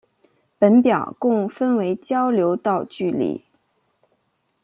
本表共分为交流道距离。